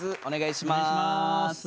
お願いします。